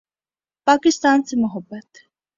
پاکستان سے محبت